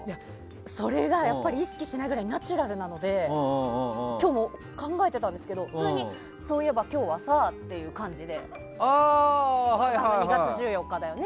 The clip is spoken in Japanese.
それがやっぱり意識しないぐらいナチュラルなので今日も考えてたんですけどそういえば今日はさって２月１４日だよね。